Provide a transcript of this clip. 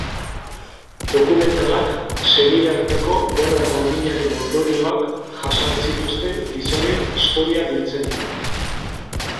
Dokumentalak, senide arteko gerra gordinaren ondorioak jasan zituzten gizonen historia biltzen du.